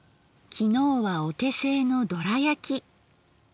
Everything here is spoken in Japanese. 昨日はお手製のドラやき。